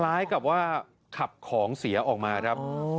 พระอาจารย์ออสบอกว่าอาการของคุณแป๋วผู้เสียหายคนนี้อาจจะเกิดจากหลายสิ่งประกอบกัน